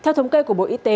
theo thống kê của bộ y tế